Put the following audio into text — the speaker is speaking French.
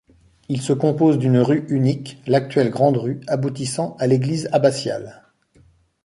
Il se compose d’une rue unique, l’actuelle Grande-Rue, aboutissant à l’église abbatiale.